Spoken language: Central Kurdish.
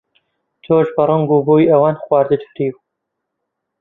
تۆش بە ڕەنگ و بۆی ئەوان خواردت فریو؟